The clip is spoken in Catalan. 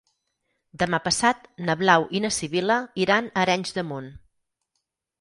Demà passat na Blau i na Sibil·la iran a Arenys de Munt.